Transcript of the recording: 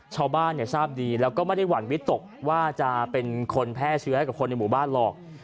ชาวบ้านทราบดีแล้วก็ไม่ได้หวั่นวิตกว่าจะเป็นคนแพร่เชื้อให้กับคนในหมู่บ้านหรอก